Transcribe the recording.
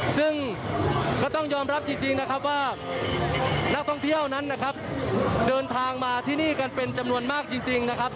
ซึ่งก็ต้องยอมรับจริงว่านักท่องเที่ยวนั้นเดินทางมาที่นี่กันเป็นจำนวนมากจริง